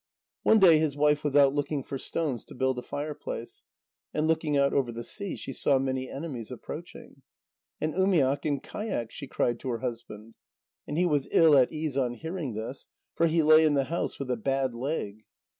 One day his wife was out looking for stones to build a fireplace, and looking out over the sea, she saw many enemies approaching. "An umiak and kayaks," she cried to her husband. And he was ill at ease on hearing this, for he lay in the house with a bad leg.